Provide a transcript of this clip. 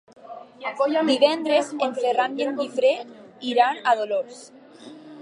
Divendres en Ferran i en Guifré iran a Dolors.